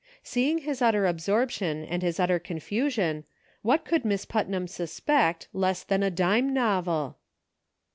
Seeing his utter absorption and his utter confusion, what could Miss Putnam suspect, less than a dime novel